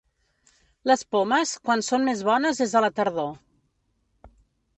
Les pomes, quan són més bones és a la tardor.